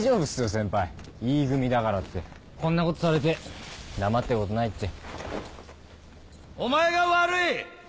先輩Ｅ組だからってこんなことされて黙ってることないってお前が悪い！